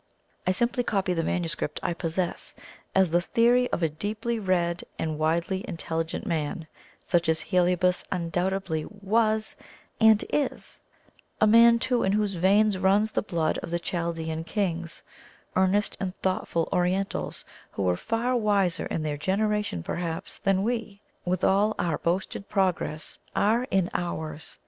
I simply copy the manuscript I possess, as the theory of a deeply read and widely intelligent man, such as Heliobas undoubtedly WAS and IS; a man, too, in whose veins runs the blood of the Chaldean kings earnest and thoughtful Orientals, who were far wiser in their generation perhaps than we, with all our boasted progress, are in ours.